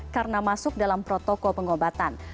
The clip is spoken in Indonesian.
karena masuk dalam protokol pengobatan